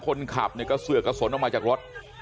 คนขับเนี่ยกระเสือกกระสนออกมาจากรถ